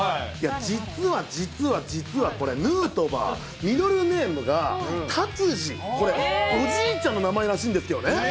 実は実は実はこれ、ヌートバー、ミドルネームがタツジ、おじいちゃんの名前らしいんですよね。